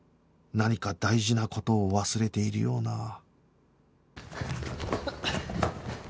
何か大事な事を忘れているような